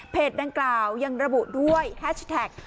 ดังกล่าวยังระบุด้วยแฮชแท็ก